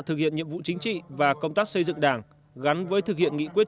thực hiện nhiệm vụ chính trị và công tác xây dựng đảng gắn với thực hiện nghị quyết